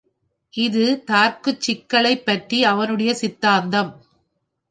இது தார்க்குச் சிக்களை பற்றி அவனுடைய சித்தாந்தம்.